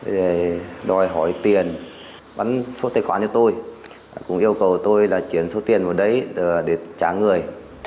để đòi hỏi tiền bắn số tài khoản cho tôi cũng yêu cầu tôi là chuyển số tiền vào đấy để trả người